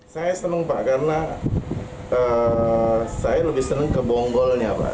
saya senang pak karena saya lebih senang ke bonggolnya pak